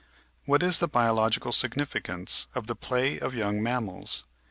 What is the biological significance of the play of young mammals